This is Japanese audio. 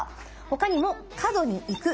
他にも角に行く。